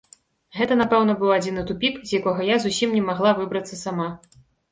Гэта, напэўна, быў адзіны тупік, з якога я зусім не магла выбрацца сама.